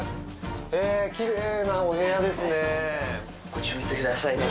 きれいなお部屋ですね。